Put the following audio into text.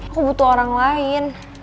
aku butuh orang lain